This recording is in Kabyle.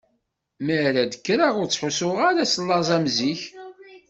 Mi ara d-kkreɣ ur ttḥussuɣ ara s laẓ am zik.